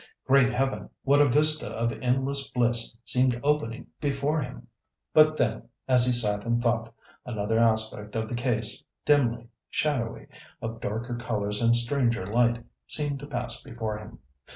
"Great Heaven! what a vista of endless bliss seemed opening before him!" But then, as he sat and thought, another aspect of the case, dimly, shadowy, of darker colours and stranger light, seemed to pass before him.